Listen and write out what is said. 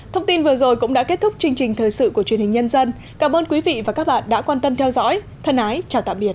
thông tin vừa rồi cũng đã kết thúc chương trình thời sự của truyền hình nhân dân cảm ơn quý vị và các bạn đã quan tâm theo dõi thân ái chào tạm biệt